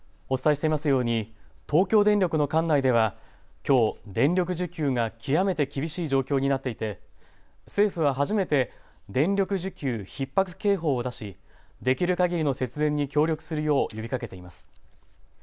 お伝えしていますように東京電力の管内では、きょう、電力需給が極めて厳しい状況になっていて政府は初めて電力需給ひっ迫警報を出し、できるかぎりの節電に協力するよう呼びかけています。